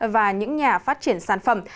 và những nhà phát triển sản phẩm